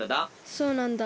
そうなんだ。